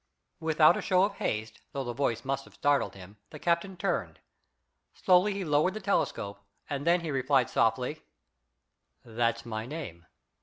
Without a show of haste, though the voice must have startled him, the captain turned. Slowly he lowered the telescope, and then he replied softly: "That's my name.